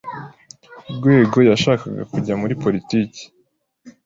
Rwego yashakaga kujya muri politiki.